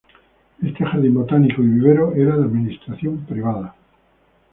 Este jardín botánico y vivero era de administración privada.